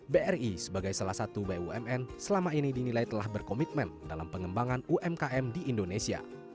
bri sebagai salah satu bumn selama ini dinilai telah berkomitmen dalam pengembangan umkm di indonesia